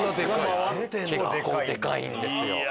結構デカいんですよ。